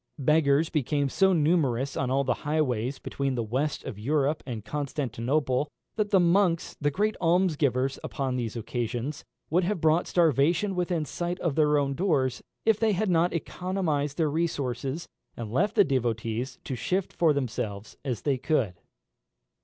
Beggars became so numerous on all the highways between the west of Europe and Constantinople, that the monks, the great almsgivers upon these occasions, would have brought starvation within sight of their own doors, if they had not economised their resources, and left the devotees to shift for themselves as they could.